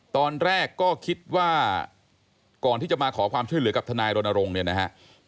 ตอนแรกก็คิดว่าก่อนที่จะมาขอความช่วยเหลือกับทนายรณรงค์เนี่ยนะฮะ